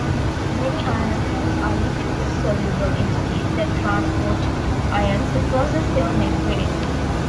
Many ionophores are lipid-soluble entities that transport ions across a cell membrane.